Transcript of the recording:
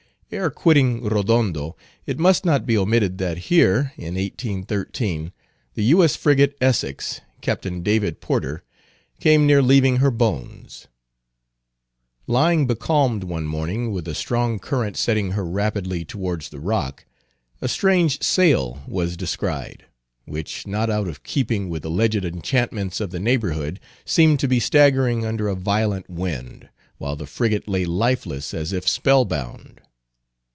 Ere quitting Rodondo, it must not be omitted that here, in 1813, the U.S. frigate Essex, Captain David Porter, came near leaving her bones. Lying becalmed one morning with a strong current setting her rapidly towards the rock, a strange sail was descried, which—not out of keeping with alleged enchantments of the neighborhood—seemed to be staggering under a violent wind, while the frigate lay lifeless as if spell bound.